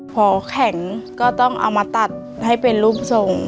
พอแข็งก็ต้องเอามาตัดให้เป็นรูปทรง